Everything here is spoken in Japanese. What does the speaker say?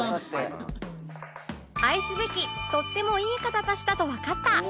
愛すべきとってもいい方たちだとわかった